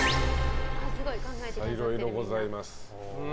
いろいろございます。